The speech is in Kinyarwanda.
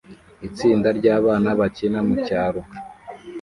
Itsinda ryabana bakina mucyaro